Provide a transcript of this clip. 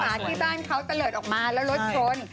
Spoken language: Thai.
ที่บ้านเขาตะเลิศออกมาแล้วรถชน